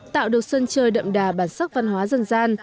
tạo được sân chơi đậm đà bản sắc văn hóa dân gian